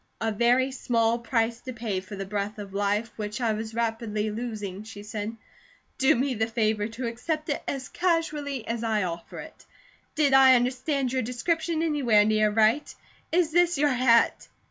"A very small price to pay for the breath of life, which I was rapidly losing," she said. "Do me the favour to accept it as casually as I offer it. Did I understand your description anywhere near right? Is this your hat?"